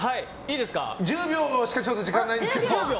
１０秒しかないんですけど。